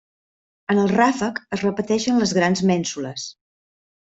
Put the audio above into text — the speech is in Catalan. En el ràfec es repeteixen les grans mènsules.